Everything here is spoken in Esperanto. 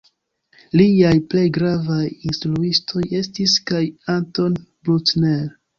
Liaj plej gravaj instruistoj estis kaj Anton Bruckner.